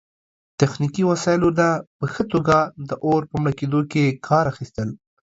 تخنیکي وسایلو نه په ښه توګه د اور په مړه کیدو کې کار اخیستل